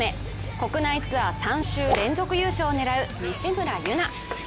国内ツアー３週連続優勝を狙う、西村優菜。